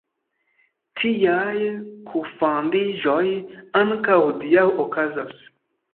Tiaj kunfandiĝoj ankaŭ hodiaŭ okazas.